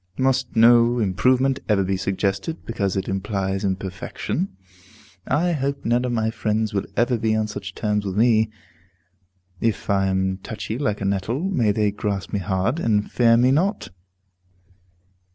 Must no improvement ever be suggested, because it implies imperfection? I hope none of my friends will ever be on such terms with me; if I am touchy like a nettle, may they grasp me hard, and fear me not.